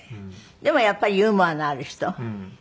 でもやっぱりユーモアのある人。